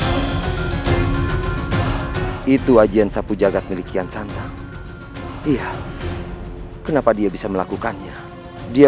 hai itu ajian sapu jagad milikian santan iya kenapa dia bisa melakukannya dia